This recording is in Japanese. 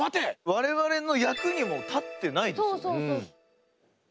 我々の役にも立ってないですよね。